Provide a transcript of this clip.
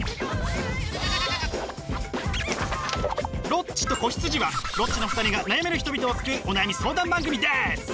「ロッチと子羊」はロッチの２人が悩める人々を救うお悩み相談番組です！